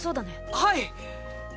はい！